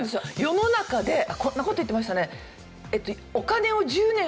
世の中でこんな事言ってましたね。